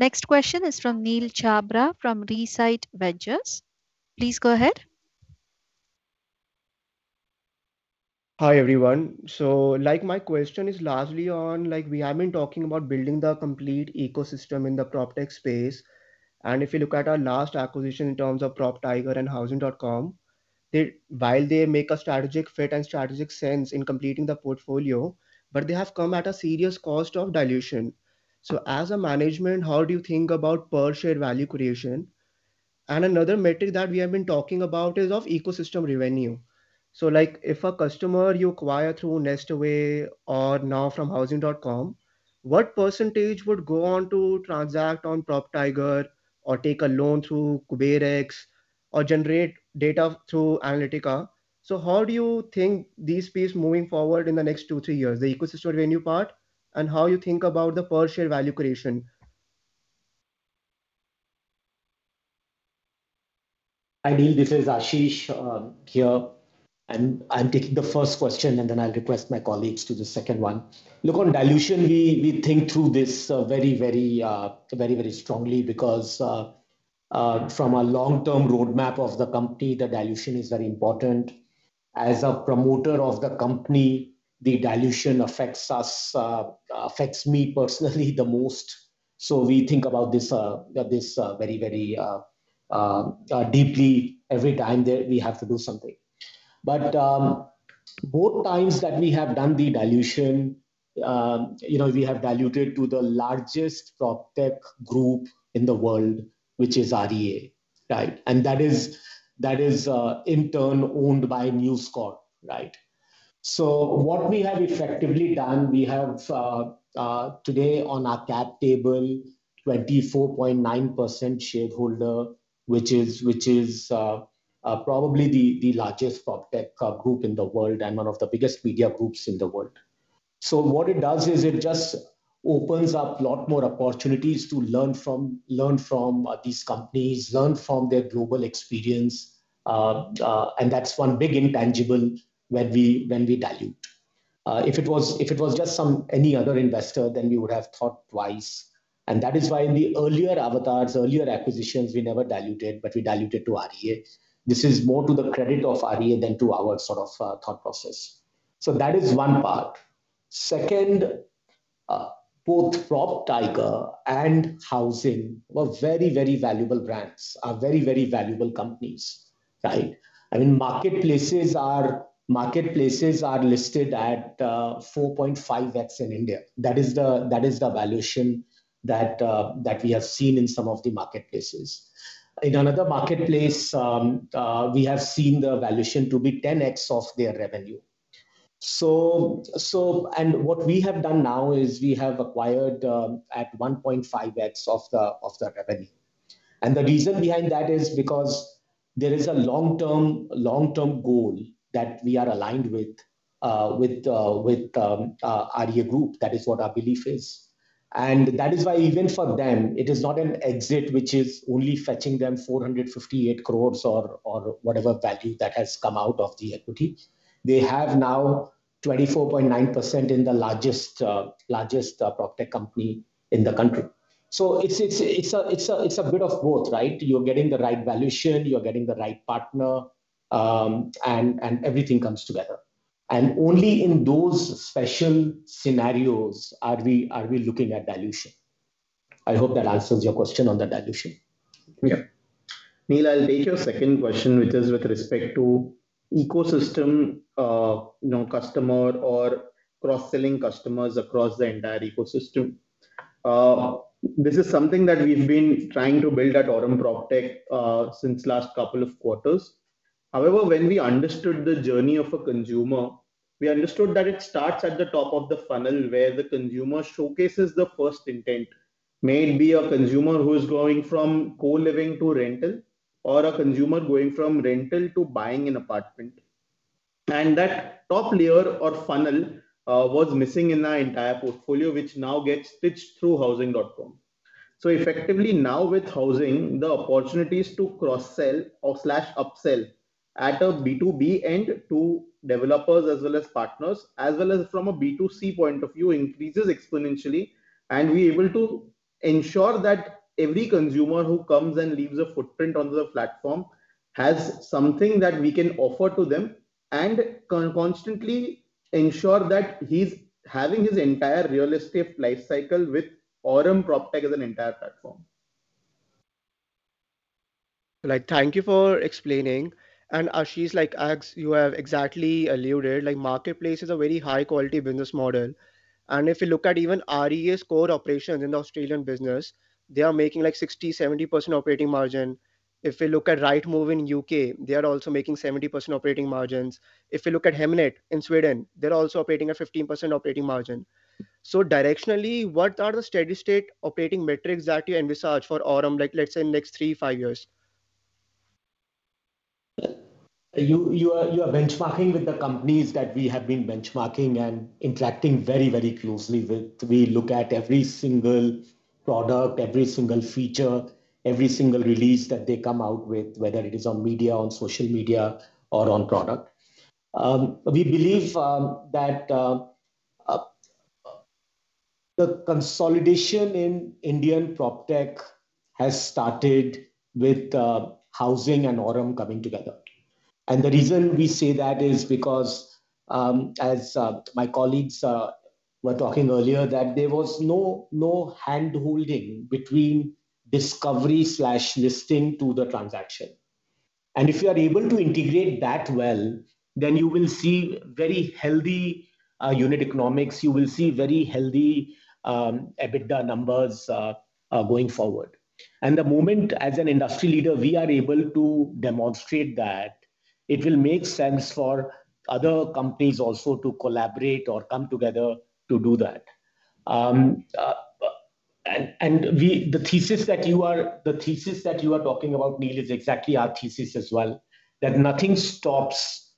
Next question is from Neel Chhabra from Resight Ventures. Please go ahead. Hi, everyone. My question is largely on, we have been talking about building the complete ecosystem in the PropTech space, if you look at our last acquisition in terms of PropTiger and Housing.com, while they make a strategic fit and strategic sense in completing the portfolio, they have come at a serious cost of dilution. As a management, how do you think about per-share value creation? Another metric that we have been talking about is of ecosystem revenue. If a customer you acquire through Nestaway or now from Housing.com, what percentage would go on to transact on PropTiger or take a loan through KuberX or generate data through Analytica? How do you think these piece moving forward in the next two, three years, the ecosystem revenue part, and how you think about the per-share value creation? Hi, Neel, this is Ashish here, I'm taking the first question, then I'll request my colleagues to the second one. On dilution, we think through this very strongly because from a long-term roadmap of the company, the dilution is very important. As a promoter of the company, the dilution affects me personally the most. We think about this very deeply every time that we have to do something. Both times that we have done the dilution, we have diluted to the largest PropTech group in the world, which is REA. That is in turn owned by News Corp. What we have effectively done, we have today on our cap table 24.9% shareholder, which is probably the largest PropTech group in the world and one of the biggest media groups in the world. What it does is it just opens up lot more opportunities to learn from these companies, learn from their global experience. That's one big intangible when we dilute. If it was just any other investor, we would have thought twice. That is why in the earlier avatars, earlier acquisitions, we never diluted, we diluted to REA. This is more to the credit of REA than to our thought process. That is one part. Second, both PropTiger and Housing were very, very valuable brands, are very, very valuable companies. Marketplaces are listed at 4.5x in India. That is the valuation that we have seen in some of the marketplaces. In another marketplace, we have seen the valuation to be 10x of their revenue. What we have done now is we have acquired at 1.5x of the revenue. The reason behind that is because there is a long-term goal that we are aligned with REA Group. That is what our belief is. That is why even for them, it is not an exit, which is only fetching them 458 crore or whatever value that has come out of the equity. They have now 24.9% in the largest PropTech company in the country. It's a bit of both, right? You're getting the right valuation, you're getting the right partner, everything comes together. Only in those special scenarios are we looking at dilution. I hope that answers your question on the dilution. Neel, I'll take your second question, which is with respect to ecosystem customer or cross-selling customers across the entire ecosystem. This is something that we've been trying to build at Aurum PropTech since last couple of quarters. However, when we understood the journey of a consumer, we understood that it starts at the top of the funnel where the consumer showcases the first intent. May it be a consumer who's going from co-living to rental, or a consumer going from rental to buying an apartment. That top layer or funnel was missing in our entire portfolio, which now gets stitched through Housing.com. Effectively now with Housing, the opportunities to cross-sell/upsell at a B2B end to developers as well as partners, as well as from a B2C point of view, increases exponentially. We are able to ensure that every consumer who comes and leaves a footprint on the platform has something that we can offer to them, and constantly ensure that he's having his entire real estate life cycle with Aurum PropTech as an entire platform. Thank you for explaining. Ashish, as you have exactly alluded, marketplace is a very high-quality business model. If you look at even REA's core operations in the Australian business, they are making 60%-70% operating margin. If you look at Rightmove in U.K., they are also making 70% operating margins. If you look at Hemnet in Sweden, they're also operating a 15% operating margin. Directionally, what are the steady state operating metrics that you envisage for Aurum, let's say in next three, five years? You are benchmarking with the companies that we have been benchmarking and interacting very, very closely with. We look at every single product, every single feature, every single release that they come out with, whether it is on media, on social media, or on product. We believe that the consolidation in Indian PropTech has started with Housing and Aurum coming together. The reason we say that is because, as my colleagues were talking earlier, that there was no handholding between discovery/listing to the transaction. If you are able to integrate that well, then you will see very healthy unit economics, you will see very healthy EBITDA numbers going forward. The moment, as an industry leader, we are able to demonstrate that, it will make sense for other companies also to collaborate or come together to do that. The thesis that you are talking about, Neel, is exactly our thesis as well, that nothing stops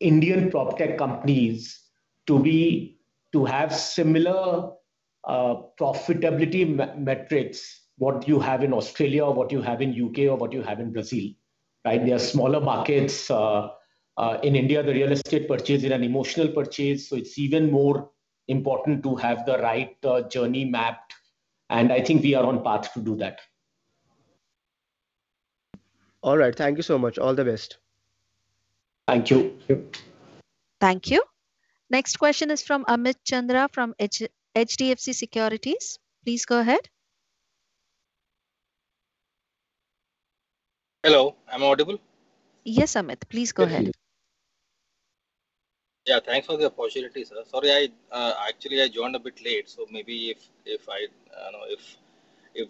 Indian PropTech companies to have similar profitability metrics what you have in Australia or what you have in U.K. or what you have in Brazil. They are smaller markets. In India, the real estate purchase is an emotional purchase, so it's even more important to have the right journey mapped, and I think we are on path to do that. All right. Thank you so much. All the best. Thank you. Thank you. Thank you. Next question is from Amit Chandra from HDFC Securities. Please go ahead. Hello, am I audible? Yes, Amit, please go ahead. Thanks for the opportunity, sir. Sorry, actually, I joined a bit late, so maybe if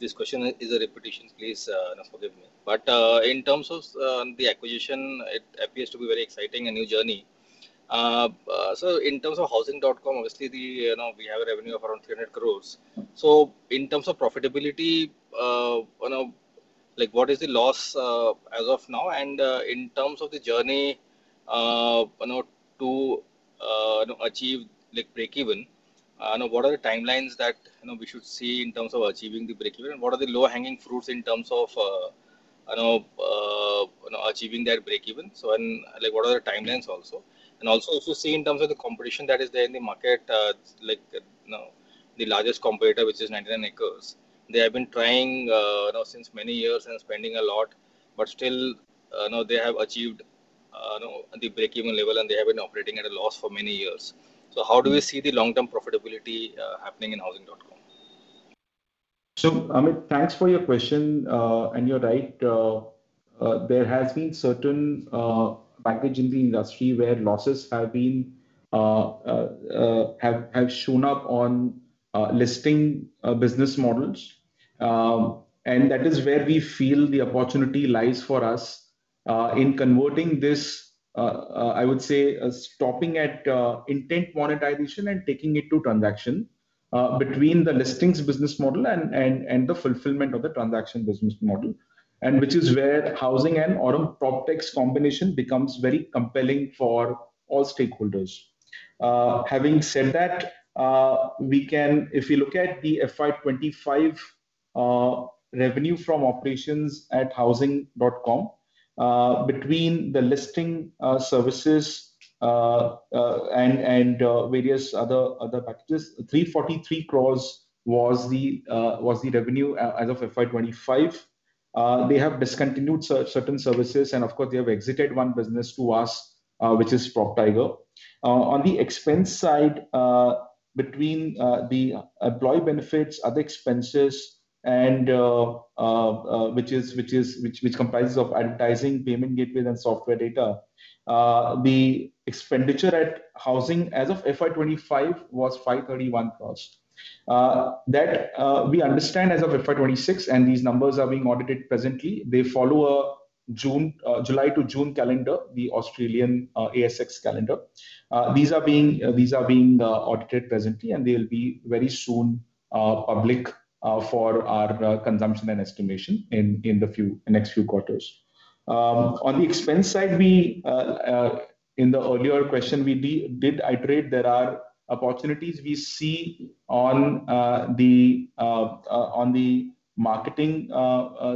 this question is a repetition, please forgive me. In terms of the acquisition, it appears to be very exciting and new journey. In terms of Housing.com, obviously we have a revenue of around 300 crores. In terms of profitability, what is the loss as of now? In terms of the journey to achieve breakeven, what are the timelines that we should see in terms of achieving the breakeven? What are the low-hanging fruits in terms of achieving that breakeven? What are the timelines also? Also to see in terms of the competition that is there in the market. The largest competitor, which is 99acres.com. They have been trying since many years and spending a lot, but still they have achieved the breakeven level and they have been operating at a loss for many years. How do we see the long-term profitability happening in Housing.com? Amit, thanks for your question. You're right, there has been certain baggage in the industry where losses have shown up on listing business models. That is where we feel the opportunity lies for us in converting this, I would say, stopping at intent monetization and taking it to transaction between the listings business model and the fulfillment of the transaction business model. Which is where Housing and Aurum PropTech combination becomes very compelling for all stakeholders. Having said that, if you look at the FY 2025 revenue from operations at Housing.com between the listing services and various other packages, 343 crores was the revenue as of FY 2025. They have discontinued certain services and of course, they have exited one business to us, which is PropTiger. On the expense side, between the employee benefits, other expenses, which comprises of advertising, payment gateway, and software data. The expenditure at Housing as of FY 2025 was 531 crores. That we understand as of FY 2026, and these numbers are being audited presently. They follow a July to June calendar, the Australian ASX calendar. These are being audited presently, and they'll be very soon public for our consumption and estimation in the next few quarters. On the expense side, in the earlier question we did iterate there are opportunities we see on the marketing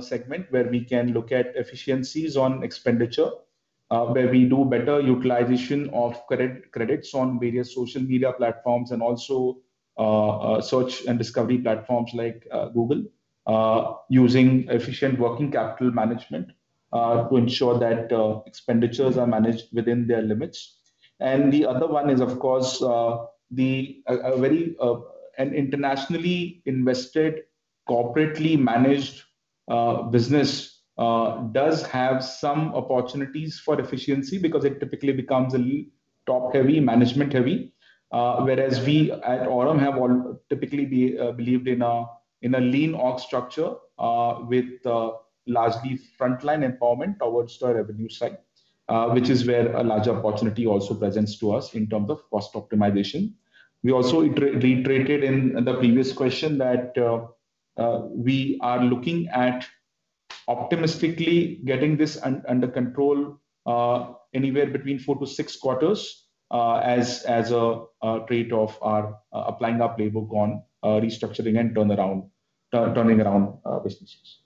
segment where we can look at efficiencies on expenditure. Where we do better utilization of credits on various social media platforms and also search and discovery platforms like Google using efficient working capital management to ensure that expenditures are managed within their limits. The other one is, of course, an internationally invested, corporately managed business does have some opportunities for efficiency because it typically becomes a top-heavy, management heavy. We at Aurum have typically believed in a lean org structure with largely frontline empowerment towards the revenue side which is where a large opportunity also presents to us in terms of cost optimization. We also reiterated in the previous question that we are looking at optimistically getting this under control anywhere between four to six quarters as a trait of applying our playbook on restructuring and turning around businesses.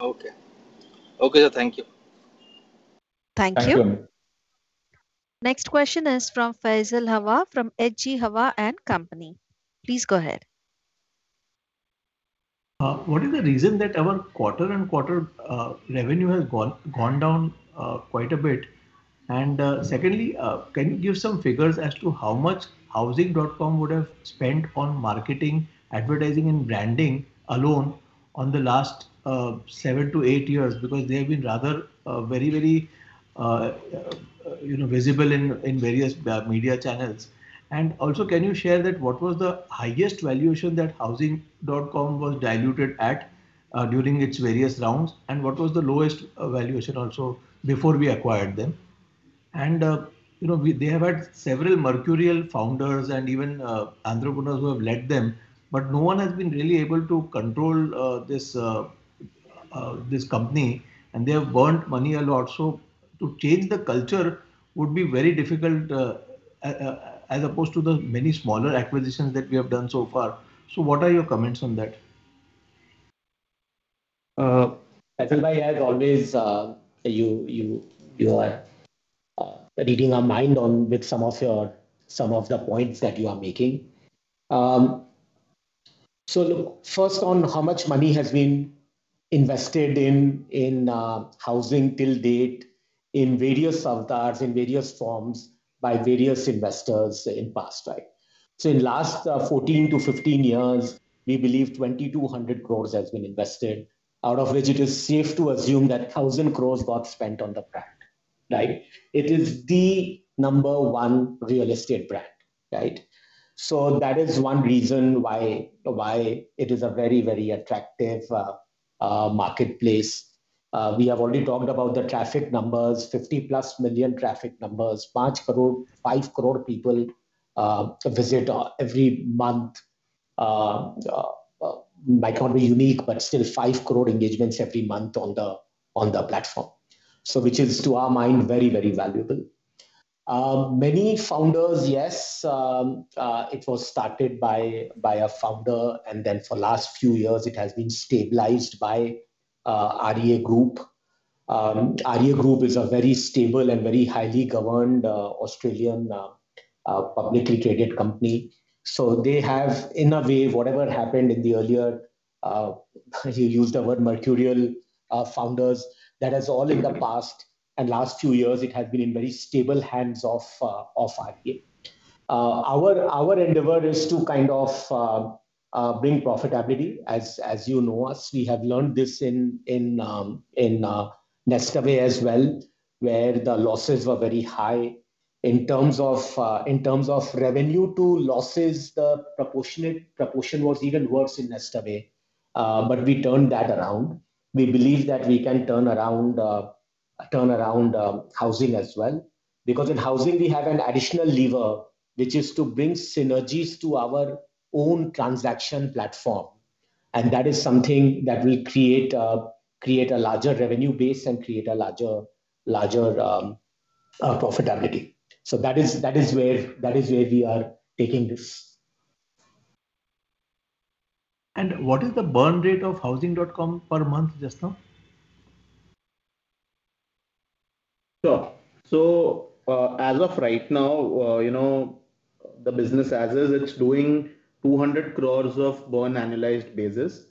Okay. Okay, sir. Thank you. Thank you. Thank you, Amit. Next question is from Faisal Hawa from H.G. Hawa & Co. Please go ahead. What is the reason that our quarter-on-quarter revenue has gone down quite a bit? Secondly, can you give some figures as to how much Housing.com would have spent on marketing, advertising, and branding alone on the last seven to eight years? They have been rather very visible in various media channels. Also, can you share that what was the highest valuation that Housing.com was diluted at during its various rounds, and what was the lowest valuation also before we acquired them? They have had several mercurial founders and even entrepreneurs who have led them, but no one has been really able to control this company, and they have burnt money a lot. To change the culture would be very difficult as opposed to the many smaller acquisitions that we have done so far. What are your comments on that? Faisal, as always you are reading our mind on with some of the points that you are making. First on how much money has been Invested in Housing till date in various avatars, in various forms by various investors in past. In last 14-15 years, we believe 2,200 crore has been invested, out of which it is safe to assume that 1,000 crore got spent on the brand. It is the number one real estate brand. That is one reason why it is a very attractive marketplace. We have already talked about the traffic numbers, 50+ million traffic numbers, five crore people visit every month. Might not be unique, but still five crore engagements every month on the platform. Which is, to our mind, very valuable. Many founders, yes, it was started by a founder, and then for last few years, it has been stabilized by REA Group. REA Group is a very stable and very highly governed Australian publicly traded company. They have, in a way, whatever happened in the earlier, you used the word mercurial founders. That is all in the past, and last few years it has been in very stable hands of REA. Our endeavor is to bring profitability. As you know us, we have learned this in Nestaway as well, where the losses were very high. In terms of revenue to losses, the proportion was even worse in Nestaway. We turned that around. We believe that we can turn around Housing as well. Because in Housing, we have an additional lever, which is to bring synergies to our own transaction platform. That is something that will create a larger revenue base and create a larger profitability. That is where we are taking this. What is the burn rate of Housing.com per month, thus far? Sure. As of right now, the business as is, it's doing 200 crores of burn annualized basis.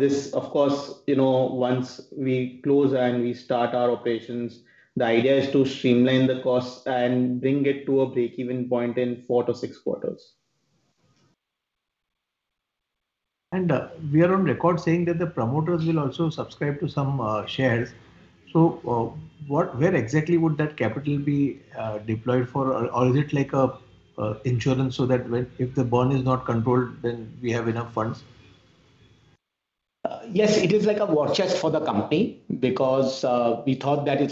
This, of course, once we close and we start our operations, the idea is to streamline the costs and bring it to a break-even point in 4-6 quarters. We are on record saying that the promoters will also subscribe to some shares. Where exactly would that capital be deployed for? Or is it like insurance so that if the burn is not controlled, then we have enough funds? Yes, it is like a war chest for the company because we thought that it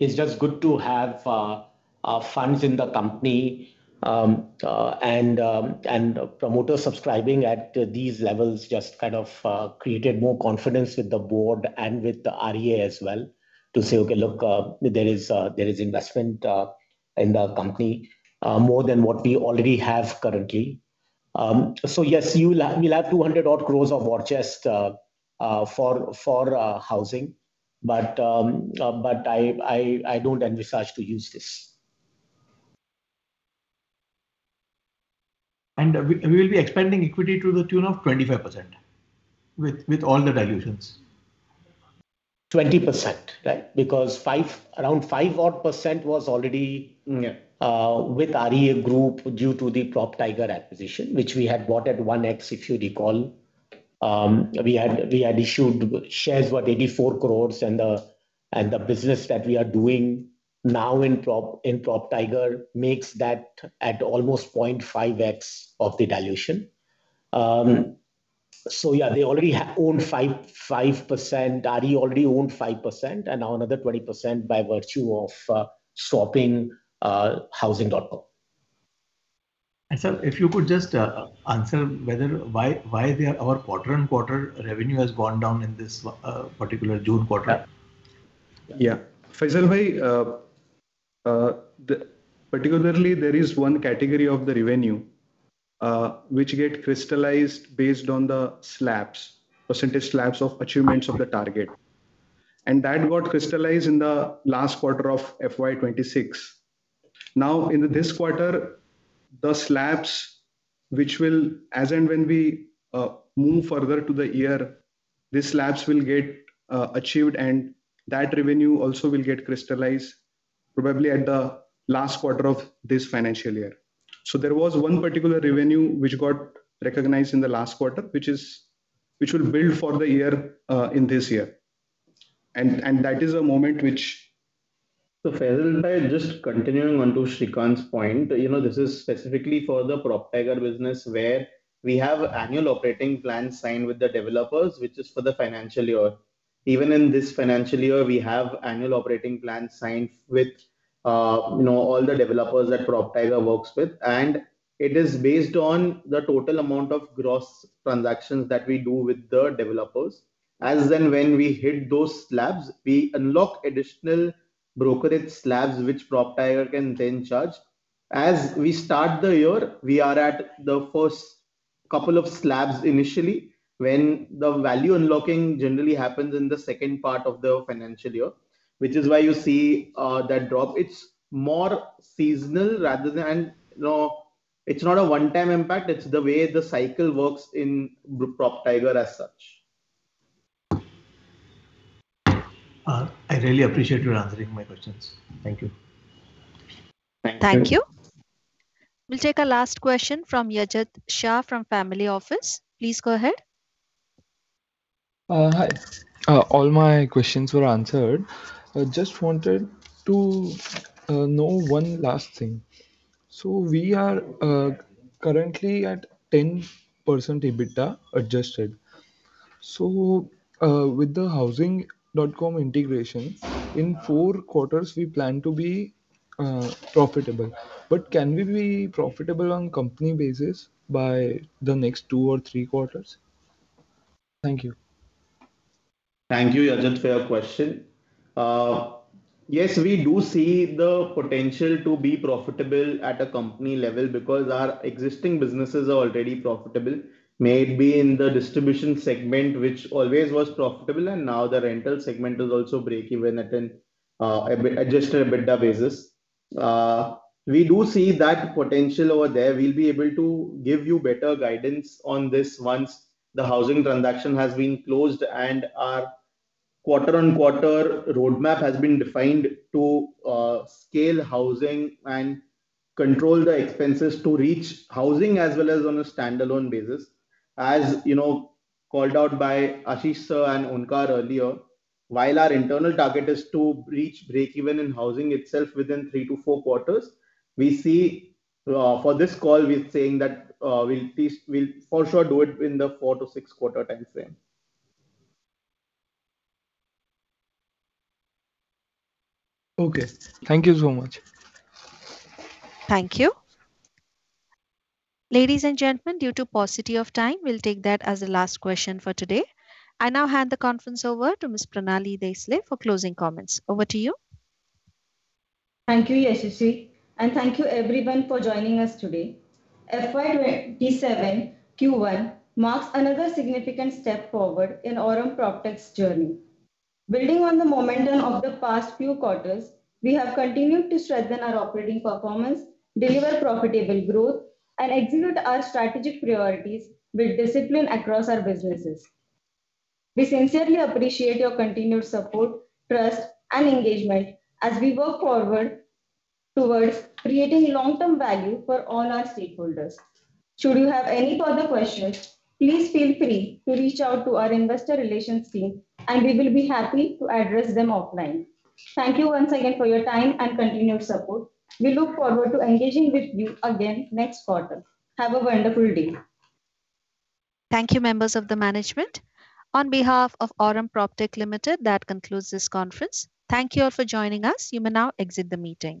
is just good to have funds in the company. Promoter subscribing at these levels just kind of created more confidence with the board and with the REA as well to say, "Okay, look, there is investment in the company more than what we already have currently." Yes, we will have 200 odd crores of war chest for Housing. I don't envisage to use this. We will be expanding equity to the tune of 25% with all the dilutions. 20%. Around 5% was already with REA Group due to the PropTiger acquisition, which we had bought at 1x, if you recall. We had issued shares worth 84 crores, the business that we are doing now in PropTiger makes that at almost 0.5x of the dilution. Yeah, they already own 5%. REA already owned 5%, and now another 20% by virtue of swapping Housing.com. Sir, if you could just answer why our quarter-on-quarter revenue has gone down in this particular June quarter? Faisal, particularly there is one category of the revenue which get crystallized based on the percentage slabs of achievements of the target. That got crystallized in the last quarter of FY 2026. In this quarter, the slabs, which will, as and when we move further to the year, these slabs will get achieved and that revenue also will get crystallized probably at the last quarter of this financial year. There was one particular revenue which got recognized in the last quarter, which will build for the year, in this year. Faisal, just continuing onto Shrikant's point. This is specifically for the PropTiger business where we have annual operating plans signed with the developers, which is for the financial year. Even in this financial year, we have annual operating plans signed with all the developers that PropTiger works with. It is based on the total amount of gross transactions that we do with the developers. As and when we hit those slabs, we unlock additional brokerage slabs which PropTiger can then charge. As we start the year, we are at the first couple of slabs initially, when the value unlocking generally happens in the second part of the financial year. Which is why you see that drop. It's more seasonal. It's not a one-time impact, it's the way the cycle works in PropTiger as such. I really appreciate you answering my questions. Thank you. Thank you. Thank you. We will take our last question from Yajat Shah from Family Office. Please go ahead. Hi. All my questions were answered. I just wanted to know one last thing. We are currently at 10% EBITDA adjusted. With the Housing.com integration, in four quarters, we plan to be profitable. Can we be profitable on company basis by the next two or three quarters? Thank you. Thank you, Yajat, for your question. Yes, we do see the potential to be profitable at a company level because our existing businesses are already profitable. Maybe in the distribution segment, which always was profitable, and now the rental segment is also breakeven at an adjusted EBITDA basis. We do see that potential over there. We will be able to give you better guidance on this once the Housing transaction has been closed and our quarter-on-quarter roadmap has been defined to scale Housing and control the expenses to reach Housing as well as on a standalone basis. As called out by Ashish Sir and Onkar earlier, while our internal target is to reach breakeven in Housing itself within 3-4 quarters, for this call, we are saying that we will for sure do it in the 4-6 quarter timeframe. Okay. Thank you so much. Thank you. Ladies and gentlemen, due to paucity of time, we'll take that as the last question for today. I now hand the conference over to Ms. Pranali Desale for closing comments. Over to you. Thank you, Yashaswi, and thank you everyone for joining us today. FY 2027 Q1 marks another significant step forward in Aurum PropTech's journey. Building on the momentum of the past few quarters, we have continued to strengthen our operating performance, deliver profitable growth, and execute our strategic priorities with discipline across our businesses. We sincerely appreciate your continued support, trust, and engagement as we work forward towards creating long-term value for all our stakeholders. Should you have any further questions, please feel free to reach out to our investor relations team, and we will be happy to address them offline. Thank you once again for your time and continued support. We look forward to engaging with you again next quarter. Have a wonderful day. Thank you, members of the management. On behalf of Aurum PropTech Limited, that concludes this conference. Thank you all for joining us. You may now exit the meeting.